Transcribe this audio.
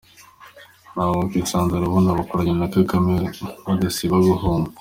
Nta wakwisanzura abona abakoranye na Kagame badasiba guhunga!